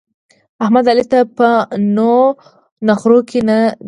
احمد؛ علي ته په نو نخرو کې نه درېد.